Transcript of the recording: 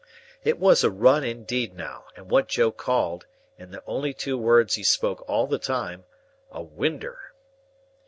It was a run indeed now, and what Joe called, in the only two words he spoke all the time, "a Winder."